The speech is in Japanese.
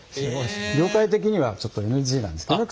業界的にはちょっとＮＧなんですけどね。